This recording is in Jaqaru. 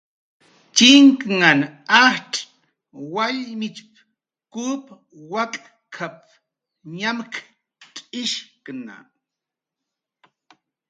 "Chinknhan ajtz' wallmichp"" kup wak'k""ap"" ñamk""cx'ishkna"